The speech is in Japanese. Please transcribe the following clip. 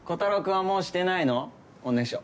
おねしょ。